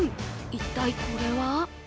一体、これは？